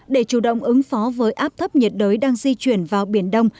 để chủ động ứng phó với áp thấp nhiệt đới đang di chuyển vào biển đông